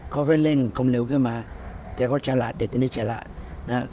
เขาเพิ่งเร่งคงเร็วขึ้นมาแต่เขาฉลาดเด็กนี้ฉลาดนะ